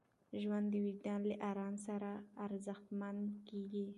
ژوند د وجدان له ارام سره ارزښتمن کېږي.